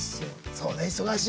そうね忙しい。